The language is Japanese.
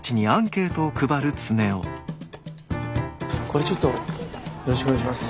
これちょっとよろしくお願いします。